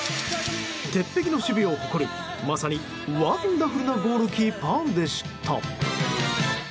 鉄壁の守備を誇る、まさにワンダフルなゴールキーパーでした。